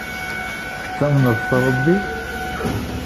Tettamneḍ s Rebbi?